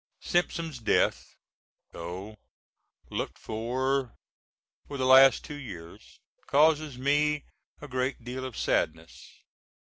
Simpson's death, though looked for for the last two years, causes me a great deal of sadness.